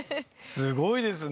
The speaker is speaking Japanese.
すごいですね！